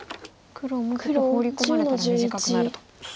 黒もここホウリ込まれたら短くなると見て。